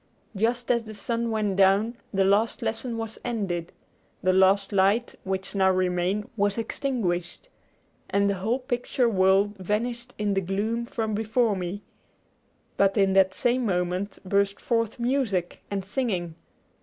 Just as the sun went down the last lesson was ended, the last light which now remained was extinguished, and the whole picture world vanished in the gloom from before me; but in that same moment burst forth music and singing.